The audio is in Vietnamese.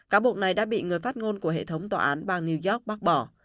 cáo buộc này đã bị người phát ngôn của hệ thống tòa án bang new york bác bỏ